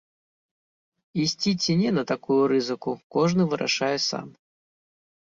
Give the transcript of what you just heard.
Ісці ці не на такую рызыку, кожны вырашае сам.